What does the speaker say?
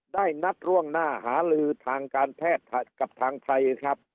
ได้นัดร่วงหน้าหาลือทางการแพทย์กับทางไทยครับ